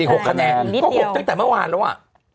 อีก๖คะแนนก็๖ตั้งแต่เมื่อวานแล้วอ่ะอีกนิดเดียว